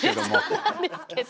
そうなんですけど。